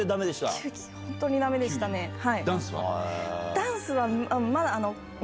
ダンスはまだ。